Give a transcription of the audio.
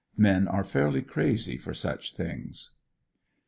Men are fairly crazy for such things.